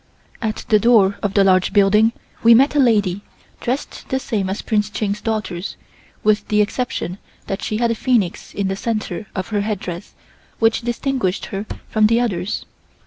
At the door of the large building we met a lady, dressed the same as Prince Ching's daughters, with the exception that she had a phoenix in the center of her headdress which distinguished her from the others.